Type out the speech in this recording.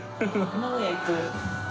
・名古屋行く。